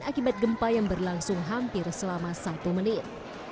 akibat gempa yang berlangsung hampir selama satu menit